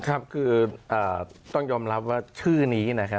ครับคือต้องยอมรับว่าชื่อนี้นะครับ